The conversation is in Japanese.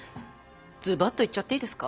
ズバッと言っちゃっていいですか。